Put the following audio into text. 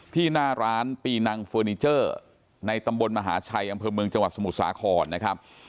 หน้าร้านปีนังเฟอร์นิเจอร์ในตำบลมหาชัยอำเภอเมืองจังหวัดสมุทรสาครนะครับ